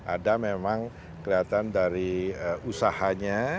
ada memang kelihatan dari usahanya